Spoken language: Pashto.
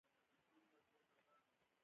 زه او یار مې یوه ورځ په دې ځای کې څریدو.